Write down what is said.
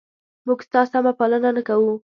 موږ ستا سمه پالنه نه کوو؟